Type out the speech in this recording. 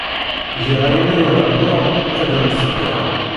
Giɣ ayen ay ṛeggmeɣ ad am-t-geɣ.